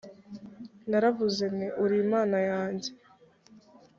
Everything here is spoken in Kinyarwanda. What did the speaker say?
naravuze nti uri imana yanjye